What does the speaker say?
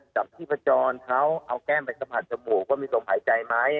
จำที่ประจอนเขาเอาแก้มไปสะพัดจมูกว่ามีตรงหายใจไหม